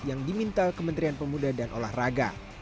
yang diminta kementerian pemuda dan olahraga